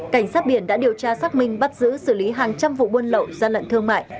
cảnh sát biển đã điều tra xác minh bắt giữ xử lý hàng trăm vụ buôn lậu gian lận thương mại